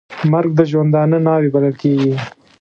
مرګ د ژوندانه ناوې بلل کېږي .